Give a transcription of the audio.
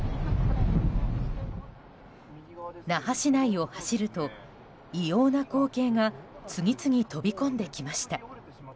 那覇市内を走ると異様な光景が次々飛び込んできました。